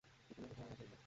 কিছু মনে করো না, জেনিফার।